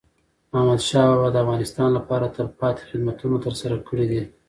احمدشاه بابا د افغانستان لپاره تلپاتي خدمتونه ترسره کړي دي.